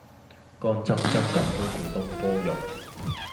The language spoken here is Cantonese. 乾爭爭咁都叫東坡肉